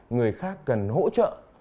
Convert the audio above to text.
người khác cần hỗ trợ